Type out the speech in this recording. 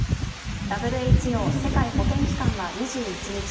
ＷＨＯ＝世界保健機関は２１日